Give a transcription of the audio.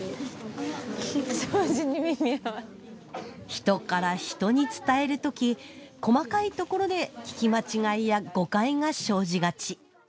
人から人に伝えるとき細かいところで聞き間違いや誤解が生じがち。